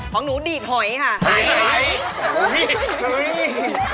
ของหนูดีดหอยค่ะ